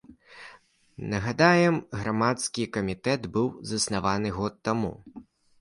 Нагадаем, грамадскі камітэт быў заснаваны год таму.